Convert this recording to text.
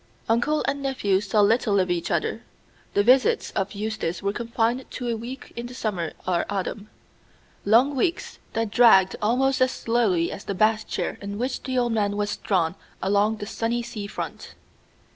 Uncle and nephew saw little of each other. The visits of Eustace were confined to a week in the summer or autumn: long weeks, that dragged almost as slowly as the bath chair in which the old man was drawn along the sunny sea front.